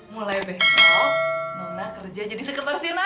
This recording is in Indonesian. mulai besok nona kerja jadi sekretar sinarang